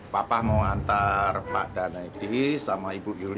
bapak mau antar pak dhanedi sama ibu yulia